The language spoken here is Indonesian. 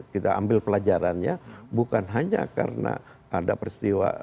kita ambil pelajarannya bukan hanya karena ada peristiwa